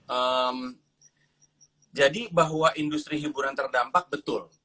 eee jadi bahwa industri hiburan terdampak betul